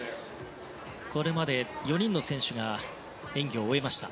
これまで４人の選手が演技を終えました。